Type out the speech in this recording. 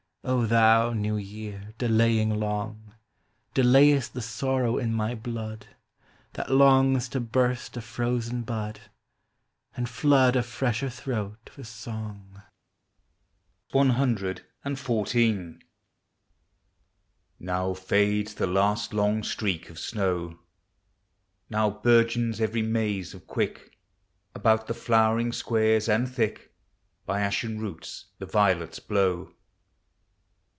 O thou, new year, delaying long, Delayest the sorrow in my blood. That longs to burst a frozen bud, And Hood a fresher throat with song. < x i v. Now fades the last long streak <>f simw ; Now bourgeons every maze of quick About the flowering squares, and thick By ashen roots the violets blow.